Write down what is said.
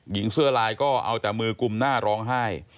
หญิงเสื้อลายก็เอาแต่มือกลุ่มหน้าร้องไห้